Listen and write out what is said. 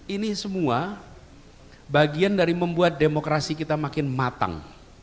ini semua bagian dari membuat demokrasi kita makin matang